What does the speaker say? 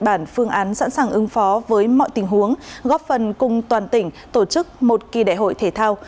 bản phương án sẵn sàng ứng phó với mọi tình huống góp phần cùng toàn tỉnh tổ chức một kỳ đại hội thể thao